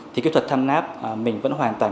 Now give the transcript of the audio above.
thì kỹ thuật timelapse mình vẫn hoàn toàn